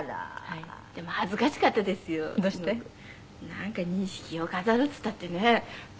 なんか錦を飾るっていったってね。